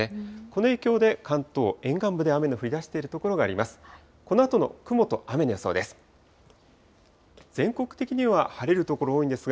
この影響で関東沿岸部で雨の降りだしている所があります。